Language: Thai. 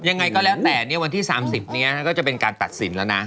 ยังไงก็แล้วแต่วันที่๓๐นี้ก็จะเป็นการตัดสินแล้วนะ